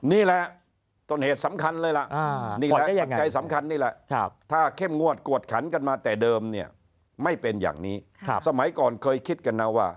นี่แหละต้นเหตุสำคัญเลยล่ะ